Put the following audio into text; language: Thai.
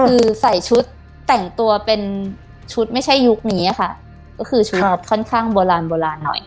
คือใส่ชุดแต่งตัวเป็นชุดไม่ใช่ยุคนี้ค่ะก็คือชุดค่อนข้างโบราณโบราณหน่อย